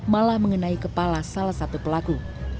malah mengenai kepala salah satu pelaku